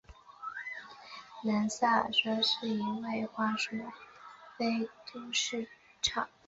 南萨默塞特是一个位于英格兰萨默塞特郡的非都市区。